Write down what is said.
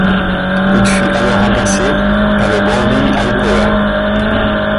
Il fut alors remplacé par le Browning Hi-Power.